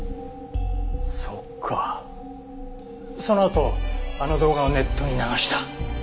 そのあとあの動画をネットに流した。